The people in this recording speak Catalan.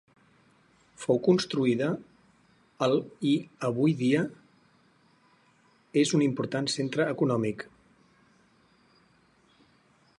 Fou construïda el i avui dia és un important centre econòmic.